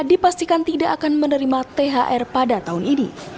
dipastikan tidak akan menerima thr pada tahun ini